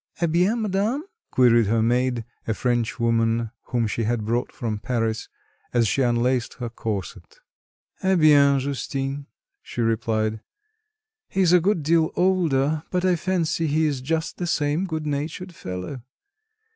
"Eh bien, madame?" queried her maid, a Frenchwoman whom she had brought from Paris, as she unlaced her corset. "Eh bien, Justine," she replied, "he is a good deal older, but I fancy he is just the same good natured fellow.